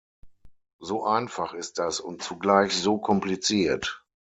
So einfach ist das und zugleich so kompliziert.